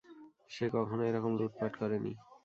সে কখনো এরকম লুটপাট করেনি।